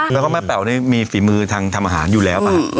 แล้วก็แม่แป๋วนี่มีฝีมือทางทำอาหารอยู่แล้วป่ะ